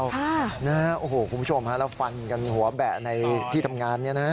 โอ้โหคุณผู้ชมฮะแล้วฟันกันหัวแบะในที่ทำงานเนี่ยนะฮะ